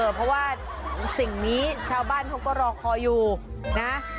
เพราะว่าสิ่งนี้ชาวบ้านเขาก็รอคอยอยู่นะ